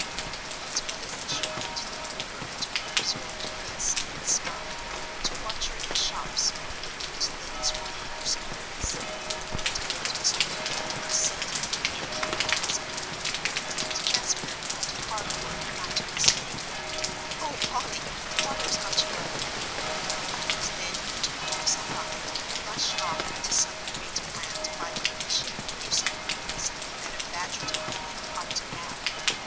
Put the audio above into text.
And Mother Fisher would look over at her absorbed face, and smile, to watch her in the shops, picking out things for the Henderson boys; and old Mr. King would send many a keen glance at her, and Jasper had hard work not to exclaim, "Oh, Polly, father has got you a " And then he'd pull himself up, and rush off into some great plan to buy Peletiah Henderson something that a Badgertown boy ought to have.